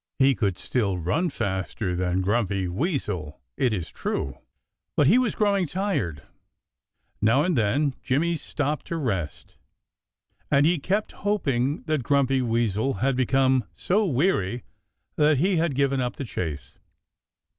He could still run faster than Grumpy Weasel, it is true. But he was growing tired. Now and then Jimmy stopped to rest. And he kept hoping that Grumpy Weasel had become so weary that he had given up the chase.